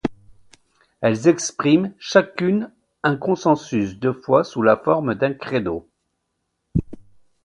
Elles expriment chacune un consensus de foi sous la forme d'un credo.